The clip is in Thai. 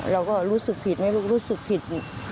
เราก็รู้สึกผิดนะลูกรู้สึกผิด